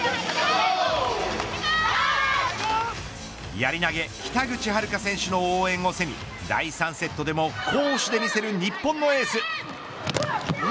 やり投げ、北口榛花選手の応援を背に第３セットでも攻守で見せる日本のエース。